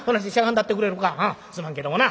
すまんけどもな。